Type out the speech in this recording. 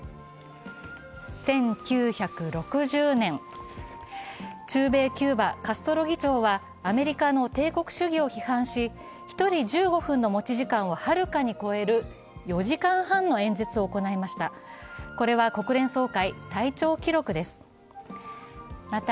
１９６０年、中米キューバカストロ議長はアメリカの帝国主義を批判し１人１５分の持ち時間を遙に超える４時間半の演説を行いました。